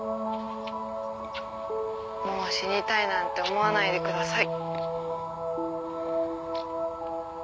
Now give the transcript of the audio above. もう死にたいなんて思わないでください。